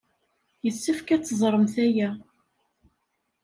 Yessefk ad teẓremt aya.